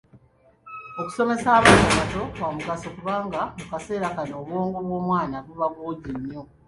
Okusomesa abaana abato kwa mugaso kubanga mu kaseera kano obwongo bw’omwana buba bwogi nnyo.